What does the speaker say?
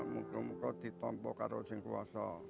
muka muka ditompokkan oleh sing kuasa